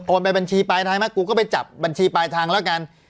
ไปบัญชีปลายทางไหมกูก็ไปจับบัญชีปลายทางแล้วกัน